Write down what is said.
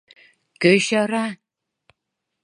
Кӧ чара?